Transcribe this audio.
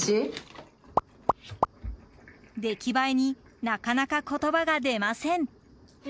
出来栄えになかなか言葉が出ません。